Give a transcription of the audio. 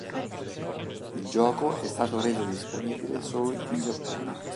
Il gioco è stato reso disponibile solo in Giappone.